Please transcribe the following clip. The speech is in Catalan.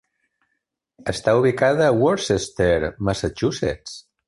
Està ubicada a Worcester, Massachusetts.